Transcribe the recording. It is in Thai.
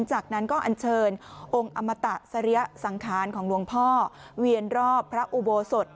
จากนั้นก็อันเชิญองค์อมตะสริยสังขารของหลวงพ่อเวียนรอบพระอุโบสถ